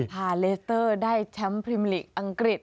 พาเลสเตอร์ได้แชมป์พรีมลีกอังกฤษ